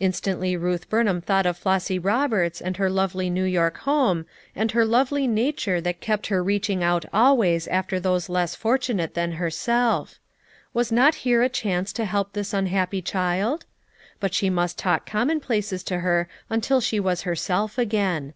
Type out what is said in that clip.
Instantly Ruth Burnham thought of Flossy Roberts and her lovely New York home, and her lovely nature that kept her reaching out always after those less fortu nate than herself. Was not here a chance to help this unhappy child? But she must talk commonplaces to her until she was herself again.